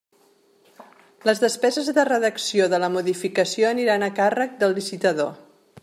Les despeses de redacció de la modificació aniran a càrrec del licitador.